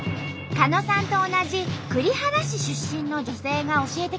狩野さんと同じ栗原市出身の女性が教えてくれたのは。